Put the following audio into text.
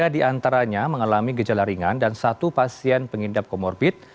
tiga diantaranya mengalami gejala ringan dan satu pasien pengidap komorbit